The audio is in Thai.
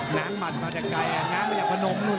น้ำมันมาจากไกลน้ำมันอยากมานมนู่น